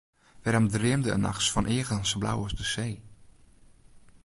Wêrom dreamde er nachts fan eagen sa blau as de see?